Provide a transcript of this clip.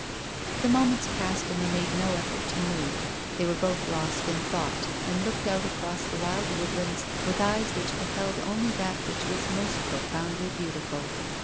The moments passed, and they made no effort to move. They were both lost in thought, and looked out across the wild woodlands with eyes which beheld only that which was most profoundly beautiful.